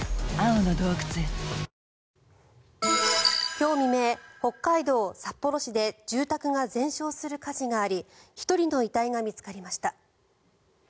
今日未明、北海道札幌市で住宅が全焼する火事があり１人の遺体が見つかりました。